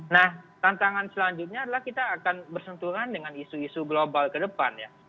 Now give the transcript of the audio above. nah tantangan selanjutnya adalah kita akan bersentuhan dengan isu isu global ke depan ya